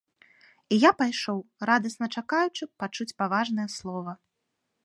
І я пайшоў, радасна чакаючы пачуць паважнае слова.